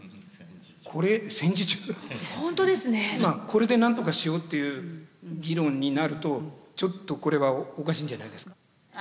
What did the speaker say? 「これで何とかしよう」っていう議論になるとちょっとこれはおかしいんじゃないですか。